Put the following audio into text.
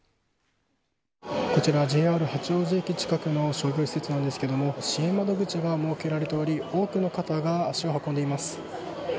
こちら、ＪＲ八王子駅近くの商業施設なんですが支援窓口が設けられており多くの方が足を運んでいます。